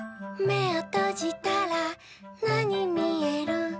「めをとじたらなにみえる？」